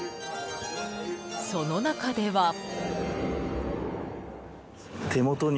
その中では。